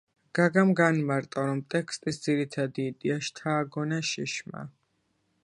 გაგამ განმარტა რომ ტექსტის ძირითადი იდეა შთააგონა შიშმა.